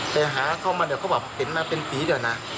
ไปหาเขามาเนี่ยเขาบอกเห็นมาเป็นปีเดี๋ยวนะ